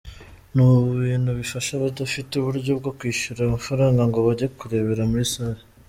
Ni ibintu bifasha abadafite uburyo bwo kwishyura amafaranga ngo bajye kurebera muri salle.